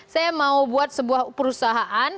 saya mau buat sebuah perusahaan